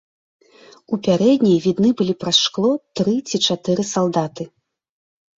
У пярэдняй відны былі праз шкло тры ці чатыры салдаты.